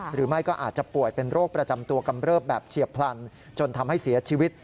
หรือไม่ก็อาจจะป่วยเป็นโรคประจำตัวกำเริบแบบเฉียบพลันจนทำให้เสียชีวิต